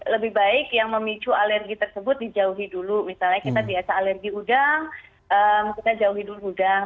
lebih baik yang memicu alergi tersebut dijauhi dulu misalnya kita biasa alergi udang kita jauhi dulu udang